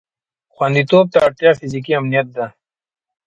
خوندیتوب ته اړتیا فیزیکي امنیت ده.